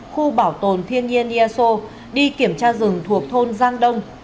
khu bảo tồn thiên nhiên eso đi kiểm tra rừng thuộc thôn giang đông